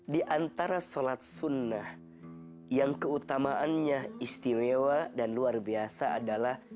di antara sholat sunnah yang keutamaannya istimewa dan luar biasa adalah